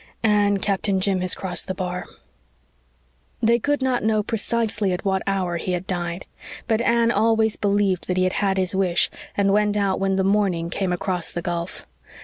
"Anne, Captain Jim has crossed the bar." They could not know precisely at what hour he had died, but Anne always believed that he had had his wish, and went out when the morning came across the gulf.